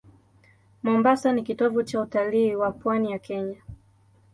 Mombasa ni kitovu cha utalii wa pwani ya Kenya.